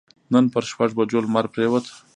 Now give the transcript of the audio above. نن پر شپږ بجو لمر پرېوت.